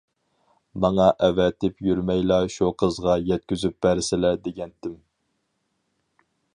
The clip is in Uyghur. ماڭا ئەۋەتىپ يۈرمەيلا شۇ قىزغا يەتكۈزۈپ بەرسىلە دېگەنتىم.